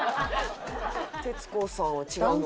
徹子さんは違うのか。